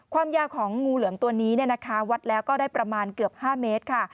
ความยาวของงูเหลือมตัวนี้วัดแล้วก็ได้ประมาณเกือบ๕เมตรค่ะ